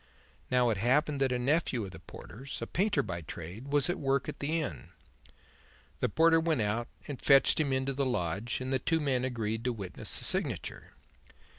Now it happened that a nephew of the porter's, a painter by trade, was at work in the Inn. The porter went out and fetched him into the lodge and the two men agreed to witness the signature.